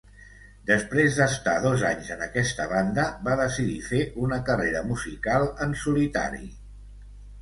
Després d'estar dos anys en aquesta banda va decidir fer una carrera musical en solitari.